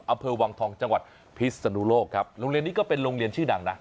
อำเภอวังทองจังหวัดพิศนุโลกครับโรงเรียนนี้ก็เป็นโรงเรียนชื่อดังนะ